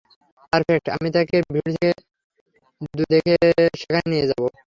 Perfect, আমি তাকে ভিড় থেকে দূরে সেখানে নিয়ে যাব।